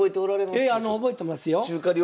ええ覚えてますよ。